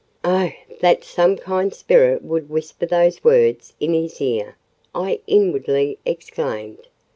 "Oh! that some kind spirit would whisper those words in his ear," I inwardly exclaimed.